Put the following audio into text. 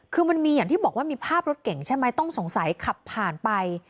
คือมันมีอย่างที่บอกว่ามีภาพรถเก่งใช่ไหมต้องสงสัยขับผ่านไป